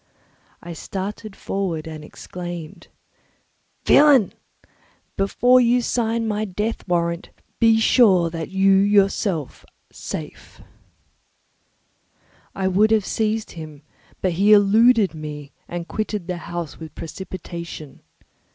I started forward and exclaimed, "Villain! Before you sign my death warrant, be sure that you are yourself safe." I would have seized him, but he eluded me and quitted the house with precipitation.